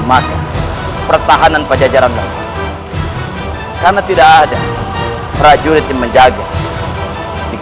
maka pertahanan pada jalan karena tidak ada prajurit yang menjaga jika setelah